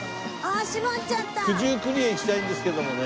九十九里へ行きたいんですけどもね。